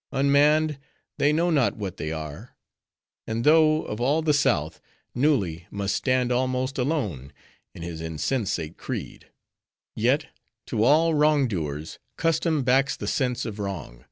Unmanned, they know not what they are. And though, of all the south, Nulli must stand almost alone in his insensate creed; yet, to all wrong doers, custom backs the sense of wrong.